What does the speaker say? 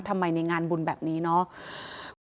ทำไมในงานบุญแบบนี้เนอะ